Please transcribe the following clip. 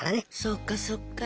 そっかそっか。